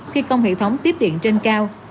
thi công hệ thống tiếp điện trên cao